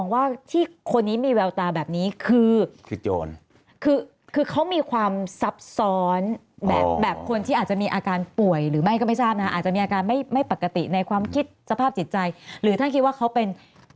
ว่าที่คนนี้มีแววตาแบบนี้คือโจรคือคือเขามีความซับซ้อนแบบคนที่อาจจะมีอาการป่วยหรือไม่ก็ไม่ทราบนะอาจจะมีอาการไม่ปกติในความคิดสภาพจิตใจหรือท่านคิดว่าเขาเป็น